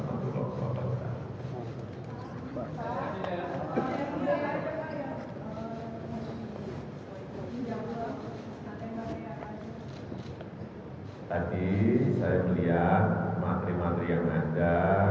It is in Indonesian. tadi saya melihat menteri menteri yang ada